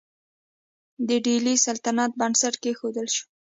د ډیلي سلطنت بنسټ کیښودل شو.